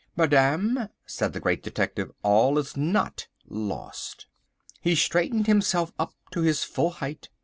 "Madame," said the Great Detective, "all is not lost." He straightened himself up to his full height.